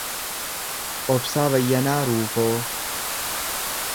Obsaa Bayyanaa Ruufoo